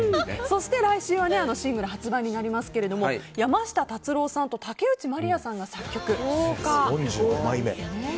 そして来週はシングル発売になりますが山下達郎さんと竹内まりやさんが作曲。